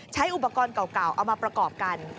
ใช้อุปกรณ์เก่าเอามาประกอบกัน